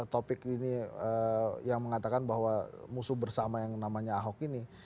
topik ini yang mengatakan bahwa musuh bersama yang namanya ahok ini